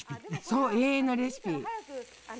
そう永遠のレシピ。